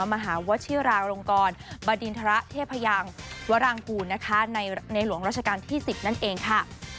มหาวชิราลงกรบดินทรเทพยังวรางกูลนะคะในหลวงราชการที่๑๐นั่นเองค่ะ